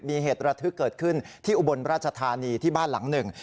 มีเหตุระทึกเกิดขึ้นที่อุบลราชธานีที่บ้านหลังหนึ่ง